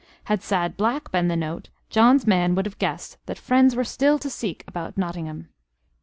Had sad black been the note, John's man would have guessed that friends were still to seek about Nottingham.